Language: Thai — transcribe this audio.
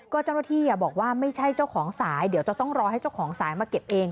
ก็เจ้าหน้าที่บอกว่าไม่ใช่เจ้าของสายเดี๋ยวจะต้องรอให้เจ้าของสายมาเก็บเอง